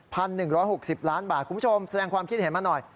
หนึ่งร้อยหกสิบล้านบาทคุณผู้ชมแสดงความคิดเห็นมาหน่อย